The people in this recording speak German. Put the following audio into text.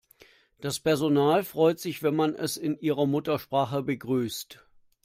Das Personal freut sich, wenn man es in ihrer Muttersprache begrüßt.